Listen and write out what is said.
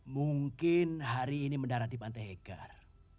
mungkin hari ini mendarat di pantai hegar